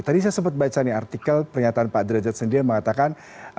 tadi saya sempat baca nih artikel pernyataan pak derajat sendiri yang mengatakan